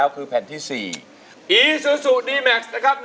ใช่ครับ